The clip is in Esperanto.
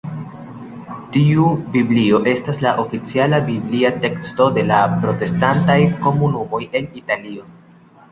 Tiu Biblio estas la oficiala biblia teksto de la protestantaj komunumoj en Italio.